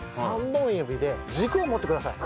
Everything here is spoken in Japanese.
３本指で軸を持ってください。